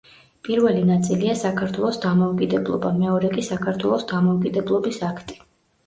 პირველი ნაწილია „საქართველოს დამოუკიდებლობა“, მეორე კი „საქართველოს დამოუკიდებლობის აქტი“.